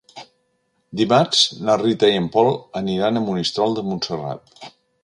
Dimarts na Rita i en Pol aniran a Monistrol de Montserrat.